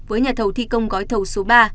với nhà thầu thi công gói thầu số ba